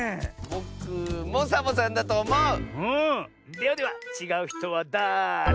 ではでは「ちがうひとはだれ？」